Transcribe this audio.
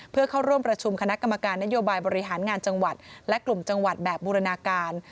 เพื่อเข้าร่วมประชุมคณะกรรมการนโยบายบริหารงานจังหวัดและกลุ่มจังหวัดแบบบูรณาการ